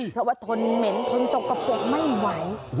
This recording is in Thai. เพราะว่าทนเหม็นทนสกปรกไม่ไหว